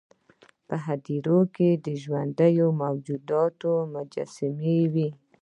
په هډه کې د ژوندیو موجوداتو مجسمې وې